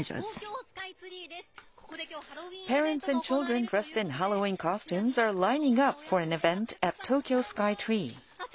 東京スカイツリーです。